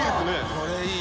これいい。